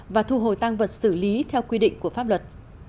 và thu hồi tăng vật xử lý theo quy định của pháp luật